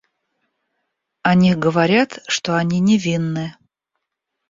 О них говорят, что они невинны.